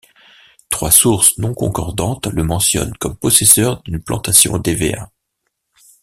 Trois sources non concordantes le mentionnent comme possesseur d'une plantation d'hévéas.